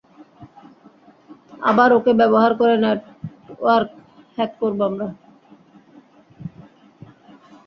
আবার ওকে ব্যবহার করে নেটওয়ার্ক হ্যাক করাবো আমরা।